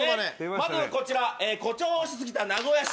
まずこちら誇張しすぎた名古屋市